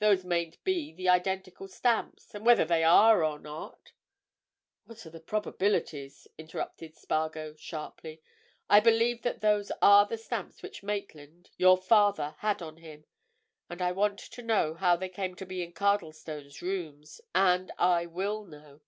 Those mayn't be the identical stamps. And whether they are or not——" "What are the probabilities?" interrupted Spargo sharply. "I believe that those are the stamps which Maitland—your father!—had on him, and I want to know how they came to be in Cardlestone's rooms. And I will know."